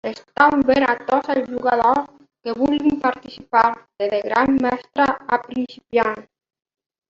Està obert a tots els jugadors que vulguin participar, des de Grans Mestres a principiants.